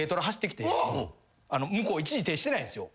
向こう一時停止してないんすよ。